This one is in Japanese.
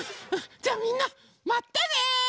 じゃあみんなまたね！